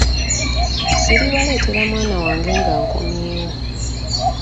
Siribaleetera mwana wange nga nkomyewo.